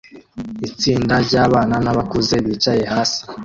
Itsinda ryabana nabakuze bicaye hasi